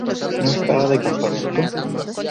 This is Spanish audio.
¿ No estaba de campamento?